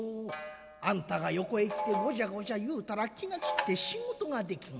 あんたが横へ来てごじゃごじゃ言うたら気が散って仕事ができん。